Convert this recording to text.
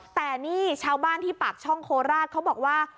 แต่นี่ชาวบ้านที่ปากช่องโคราชเขาบอกว่า